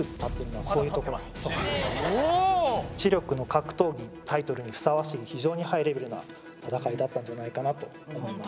「知力の格闘技」タイトルにふさわしい非常にハイレベルな闘いだったんじゃないかなと思います。